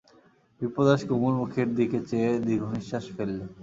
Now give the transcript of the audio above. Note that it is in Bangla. বিপ্রদাস কুমুর মুখের দিকে চেয়ে দীর্ঘনিশ্বাস ফেললে।